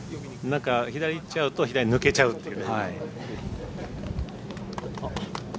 左行っちゃうと左に抜けちゃうっていう。